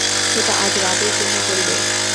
সেটা আজ রাতের জন্য চলবে।